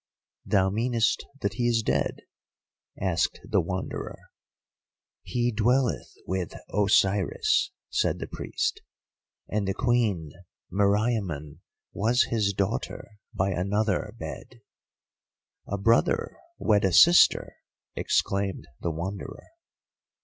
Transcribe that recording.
"Thou meanest that he is dead?" asked the Wanderer. "He dwelleth with Osiris," said the Priest, "and the Queen Meriamun was his daughter by another bed." "A brother wed a sister!" exclaimed the Wanderer.